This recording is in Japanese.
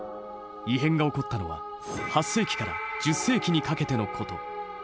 異変が起こったのは８世紀から１０世紀にかけてのこと。